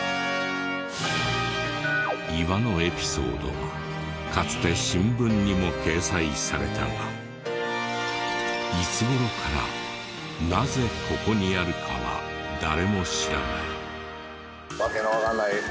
岩のエピソードはかつて新聞にも掲載されたがいつ頃からなぜここにあるかは誰も知らない。